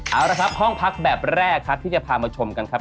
เอาละครับห้องพักแบบแรกครับที่จะพามาชมกันครับ